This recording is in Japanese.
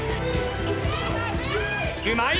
うまい！